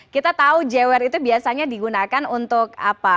kita tahu jewer itu biasanya digunakan untuk apa